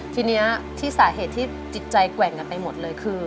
ทีนี้ที่สาเหตุที่จิตใจแกว่งกันไปหมดเลยคือ